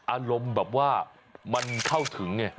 อารมณ์แบบว่ามันเข้าถึงไง